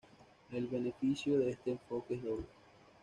El beneficio de este enfoque es doble.